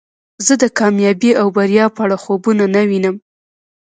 زه د کامیابی او بریا په اړه خوبونه نه وینم